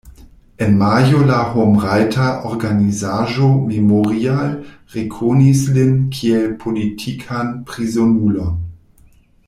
En majo la homrajta organizaĵo Memorial rekonis lin kiel politikan prizonulon.